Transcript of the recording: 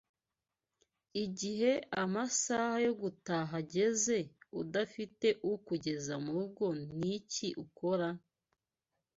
Igihe masaha yo gutaha ageze udafite ukugeza murugo niki ukora?